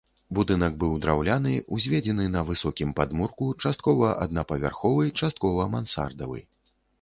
Будынак быў драўляны, узведзены на высокім падмурку, часткова аднапавярховы, часткова мансардавы.